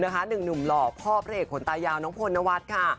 หนึ่งหนุ่มหล่อพ่อพระเอกขนตายาวน้องพลนวัฒน์ค่ะ